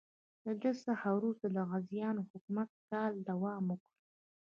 له دې څخه وروسته د غزنویانو حکومت کاله دوام وکړ.